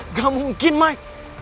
nggak mungkin mai